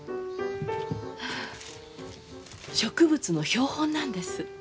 植物の標本なんです。